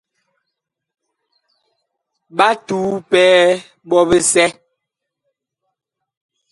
Ɓa tuu pɛɛ ɓɔ bisɛ.